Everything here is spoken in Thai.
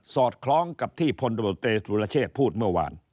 อดคล้องกับที่พลตรวจเตสุรเชษฐ์พูดเมื่อวาน